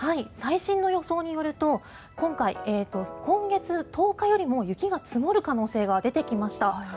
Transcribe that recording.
最新の予想によると今回、今月１０日よりも雪が積もる可能性が出てきました。